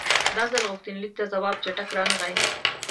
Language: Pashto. دا ځل غوښتنلیک ته ځواب چټک رانغی.